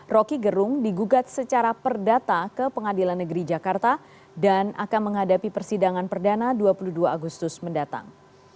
roky gerung digugat secara perdata ke pengadilan negeri jakarta dan akan menghadapi persidangan perdana dua puluh dua agustus mendatang